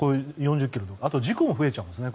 あと事故も増えちゃうんですね。